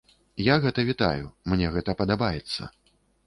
Я гэта вітаю, мне гэта падабаецца.